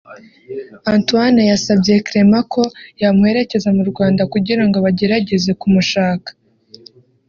Antoine yasabye Clement ko yamuherekeza mu Rwanda kugirango bagerageze kumushaka